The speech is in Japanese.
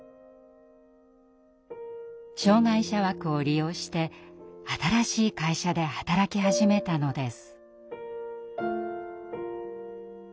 障害者枠を利用して新しい会社で働き始めたのです。